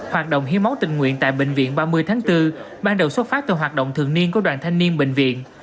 hoạt động hiến máu tình nguyện tại bệnh viện ba mươi tháng bốn ban đầu xuất phát từ hoạt động thường niên của đoàn thanh niên bệnh viện